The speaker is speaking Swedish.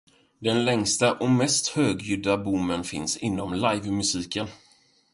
Den längsta och mest högljudda boomen finns inom livemusik.